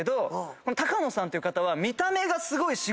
この鷹野さんっていう方は。